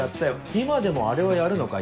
今でもあれはやるのかい？